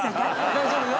大丈夫よ。